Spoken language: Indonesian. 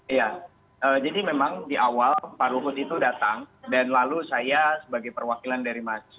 iya jadi memang di awal pak ruhut itu datang dan lalu saya sebagai perwakilan dari mahasiswa